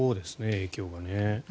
影響がね。